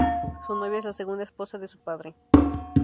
Su novia es la segunda esposa de su padre.